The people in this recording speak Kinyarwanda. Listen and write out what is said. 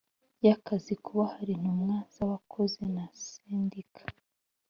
y akazi Kuba hari intumwa z abakozi na sendika